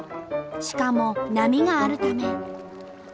しかも波があるため。